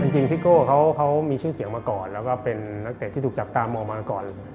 ซิโก้เขามีชื่อเสียงมาก่อนแล้วก็เป็นนักเตะที่ถูกจับตามองมาก่อน